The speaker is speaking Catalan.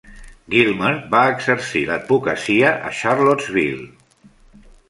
Gilmer va exercir la advocacia a Charlottesville.